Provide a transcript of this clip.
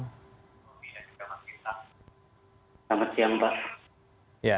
selamat siang pak